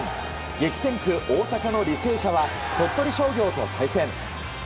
激戦区、大阪の履正社は鳥取商業と対戦。